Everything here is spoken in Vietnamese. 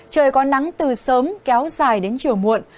trời có nắng từ sớm kéo dài đến chiều muộn